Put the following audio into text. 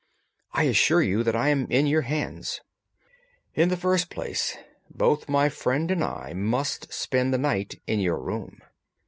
"I assure you that I am in your hands." "In the first place, both my friend and I must spend the night in your room."